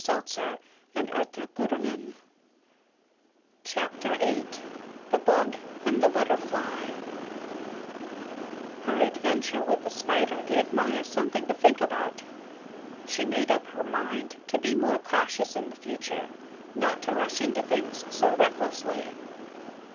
CHAPTER VIII THE BUG AND THE BUTTERFLY Her adventure with the spider gave Maya something to think about. She made up her mind to be more cautious in the future, not to rush into things so recklessly.